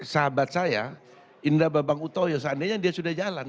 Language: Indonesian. sahabat saya indra babang utoyo seandainya dia sudah jalan